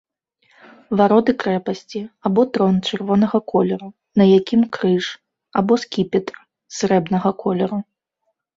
Вароты крэпасці, або трон чырвонага колеру, на якім крыж, або скіпетр срэбнага колеру.